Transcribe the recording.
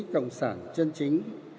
cộng sản chân chính